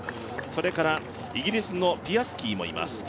それからイギリスのピアスキーもいます。